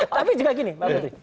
tapi juga gini mbak putri